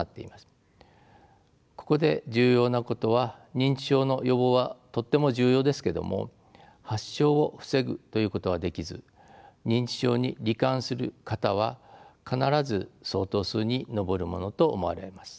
ここで重要なことは認知症の予防はとっても重要ですけども発症を防ぐということはできず認知症に罹患する方は必ず相当数に上るものと思われます。